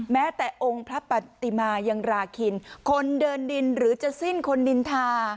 แม้แต่องค์พระปฏิมายังราคินคนเดินดินหรือจะสิ้นคนนินทา